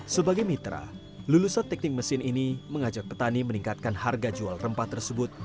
sebagai mitra lulusan teknik mesin ini mengajak petani meningkatkan harga jual rempah tersebut